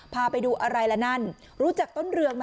พาไปดูอะไรละนั่นรู้จักต้นเรืองไหม